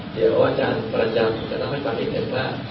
เดี๋ยวอาจารย์เกิดต้องก็ตัดไปเพิ่มว่า